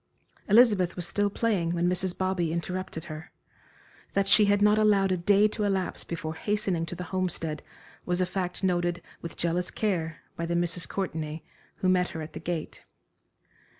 Elizabeth was still playing when Mrs. Bobby interrupted her. That she had not allowed a day to elapse before hastening to the Homestead was a fact noted with jealous care by the Misses Courtenay, who met her at the gate.